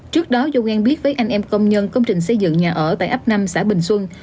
trước đó do quen biết với anh em công nhân công trình xây dựng nhà ở tại ấp năm xã bình xuân